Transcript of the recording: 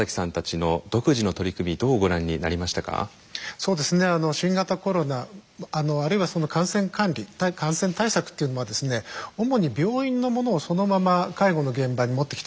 そうですね新型コロナあるいはその感染管理感染対策っていうのは主に病院のものをそのまま介護の現場に持ってきたということが多いんですね。